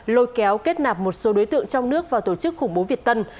lôi kéo kết nạp một số đối tượng trong nước và tổ chức khủng bố việt tân